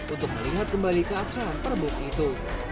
untuk melihat kembali keabsahan perbuk itu